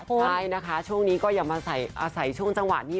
ใช่นะคะช่วงนี้ก็อย่ามาอาศัยช่วงจังหวะนี้